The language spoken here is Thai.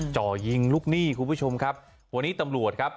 จ่อยิงลูกหนี้คุณผู้ชมครับวันนี้ตำรวจครับ